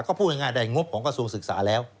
ก็พูดง่ายได้งบของกระทรวงศึกษาแล้ว